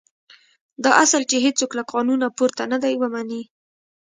دا اصل چې هېڅوک له قانونه پورته نه دی ومني.